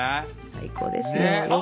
最高ですよ。